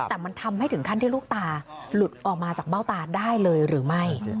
แต่มันทำให้ถึงขั้นที่ลูกตาหลุดออกมาจากเบ้าตาได้เลยหรือไม่